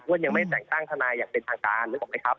ยังไม่แต่งตั้งทนายอย่างเป็นทางการนึกออกไหมครับ